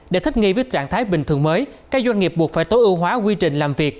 để thích nghi với trạng thái bình thường mới các doanh nghiệp buộc phải tối ưu hóa quy trình làm việc